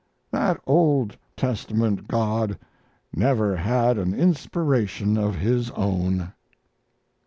That Old Testament God never had an inspiration of His own."